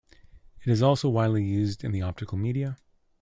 It is also widely used in the optical media.